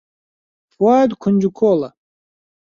فواد کونجکۆڵە.